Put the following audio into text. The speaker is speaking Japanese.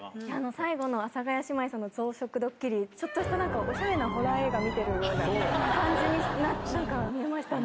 最後の阿佐ヶ谷姉妹さんの増殖ドッキリ、ちょっとした、おしゃれなホラー映画見てるような感じに、なんか見えましたね。